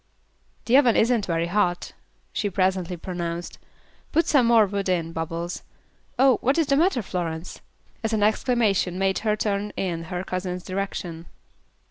"The oven isn't very hot," she presently pronounced. "Put some more wood in, Bubbles. Oh, what is the matter, Florence?" as an exclamation made her turn in her cousin's direction.